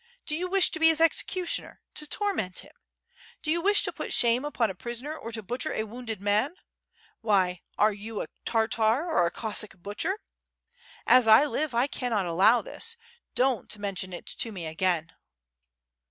Do you wish to be his execu tioner, to torment him? do you wish to put shame upon a prisoner, or to butcher a wounded man? Why, are you a Tartar or a Cossack butcher! as I live I cannot allow this! Don't mention it to me again!"